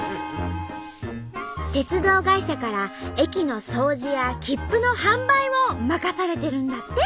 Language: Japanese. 鉄道会社から駅の掃除や切符の販売を任されてるんだって！